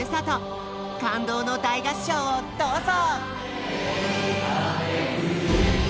感動の大合唱をどうぞ！